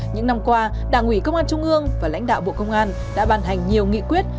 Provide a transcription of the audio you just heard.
những năm qua đảng ủy công an trung ương và lãnh đạo bộ công an đã ban hành nhiều nghị quyết